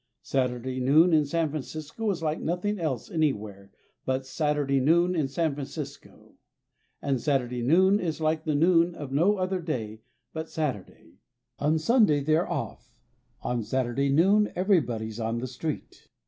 Saturday noon in San Francisco is like nothing else anywhere but Saturday noon in San Francisco. And Saturday noon is like the noon of no other day but Saturday. On Sunday they're off. On Saturday noon everybody's on the street.